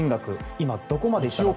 今、どこまで行ったのか。